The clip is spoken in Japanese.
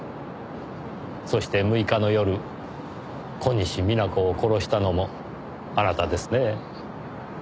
そして６日の夜小西皆子を殺したのもあなたですね？